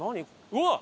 うわっ！